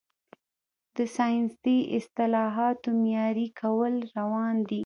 د ساینسي اصطلاحاتو معیاري کول روان دي.